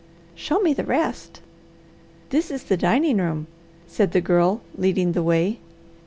Show me the rest!" "This is the dining room," said the Girl, leading the way.